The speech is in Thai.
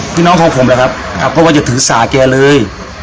พี่น้องของผมแหละครับก็ว่าจะถือสาแกเลย